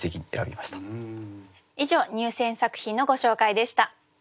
以上入選作品のご紹介でした。